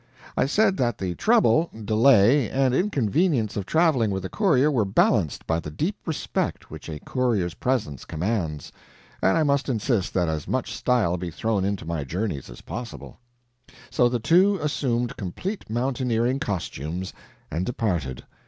I said that the trouble, delay, and inconvenience of traveling with a courier were balanced by the deep respect which a courier's presence commands, and I must insist that as much style be thrown into my journeys as possible. So the two assumed complete mountaineering costumes and departed.